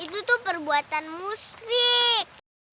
itu tuh perbuatan musik